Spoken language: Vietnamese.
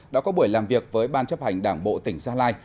đã có buổi làm việc với ban chấp hành đảng bộ tỉnh gia lai